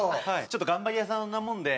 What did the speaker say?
ちょっと頑張り屋さんなもんで。